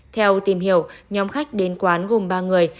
theo tìm hiểu nhóm khách đến quán gồm ba người